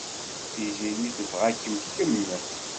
Tiziri tebɣa-kem kemm.